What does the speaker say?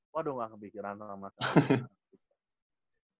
waduh gak kepikiran sama sekali